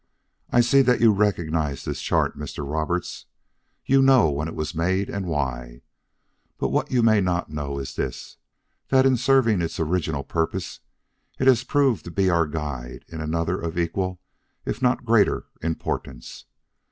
"I see that you recognize this chart, Mr. Roberts. You know when it was made and why. But what you may not know is this: that in serving its original purpose, it has proved to be our guide in another of equal, if not greater, importance.